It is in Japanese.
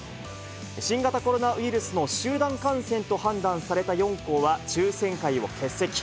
新型コロナウイルスの集団感染と判断された４校は、抽せん会を欠席。